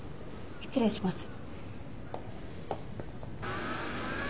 失礼します。